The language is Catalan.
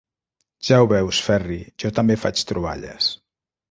Ja ho veus, Ferri, jo també faig troballes.